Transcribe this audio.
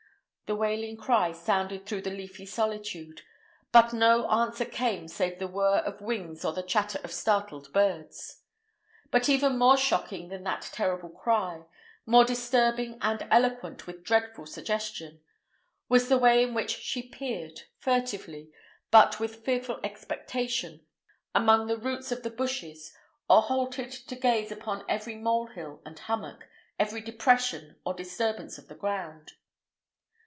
The wailing cry sounded through the leafy solitude; but no answer came save the whirr of wings or the chatter of startled birds. But even more shocking than that terrible cry—more disturbing and eloquent with dreadful suggestion—was the way in which she peered, furtively, but with fearful expectation, among the roots of the bushes, or halted to gaze upon every molehill and hummock, every depression or disturbance of the ground.